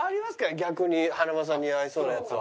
逆に華丸さんに似合いそうなやつは。